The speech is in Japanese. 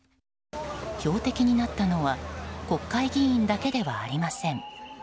標的になったのは国会議員だけではありません。